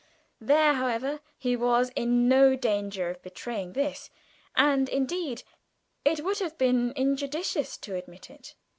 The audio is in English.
There, however, he was in no danger of betraying this, and indeed it would have been injudicious to admit it.